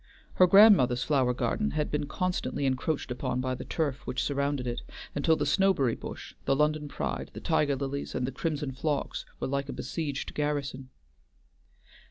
Her grandmother's flower garden had been constantly encroached upon by the turf which surrounded it, until the snowberry bush, the London pride, the tiger lilies, and the crimson phlox were like a besieged garrison.